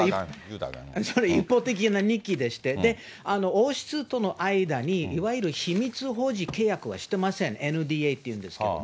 それ一方的な日記でして、王室との間に、いわゆる秘密保持契約はしてません、ＮＤＡっていうんですけど。